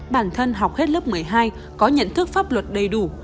bản thân học hết lớp một mươi hai có nhận thức pháp luật đầy đủ